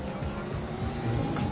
クソ。